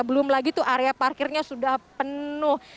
belum lagi tuh area parkirnya sudah penuh